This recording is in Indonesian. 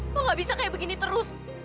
lo nggak bisa kayak begini terus